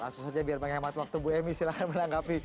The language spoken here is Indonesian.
langsung saja biar menghemat waktu bu emy silahkan menanggapi